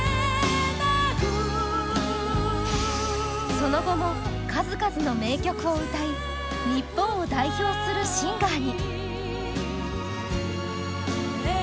その後も数々の名曲を歌い、日本を代表するシンガーに。